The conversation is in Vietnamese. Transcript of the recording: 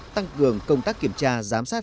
tăng cường công tác kiểm tra giám sát